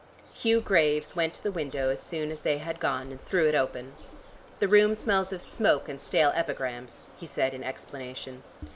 Hugh Graves went to the window as soon as they had gone and threw it open. "The room smells of smoke and stale epigrams," he said in explanation.